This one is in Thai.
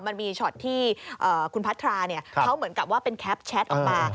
มันมีช็อตที่คุณพัทราเขาเหมือนกับว่าเป็นแคปแชทออกมา